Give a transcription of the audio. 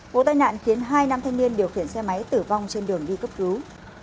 vụ tai nạn khiến hai nam thanh niên điều khiển xe máy tử vong trên đường đi cấp cứu